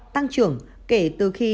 tăng trưởng kể từ khi